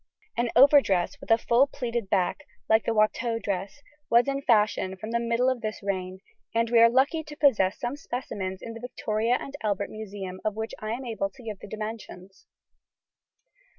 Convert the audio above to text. An overdress with a full pleated back (like the Watteau dress) was in fashion from the middle of this reign, and we are lucky to possess some specimens in the Victoria and Albert Museum of which I am able to give the dimensions.